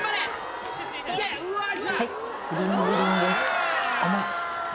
はいぶりんぶりんです。